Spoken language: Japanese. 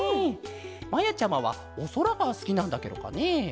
まやちゃまはおそらがすきなんだケロかね？